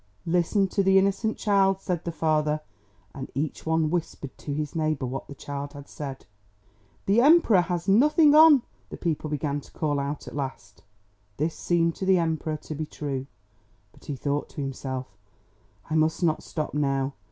"Listen to the innocent child!" said the father, and each one whispered to his neighbour what the child had said. "The Emperor has nothing on!" the people began to call out at last. This seemed to the Emperor to be true; but he thought to himself, "I must not stop now."